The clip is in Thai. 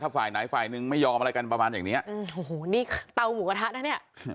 ฝ่ายไหนฝ่ายนึงไม่ยอมอะไรกันประมาณอย่างเนี้ยอืมโอ้โหนี่เตาหมูกระทะนะเนี้ย